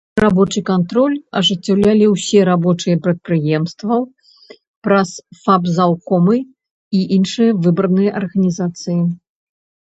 Рабочы кантроль ажыццяўлялі ўсе рабочыя прадпрыемстваў праз фабзаўкомы і іншыя выбарныя арганізацыі.